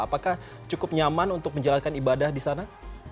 apakah cukup nyaman untuk menjalankan ibadah di sana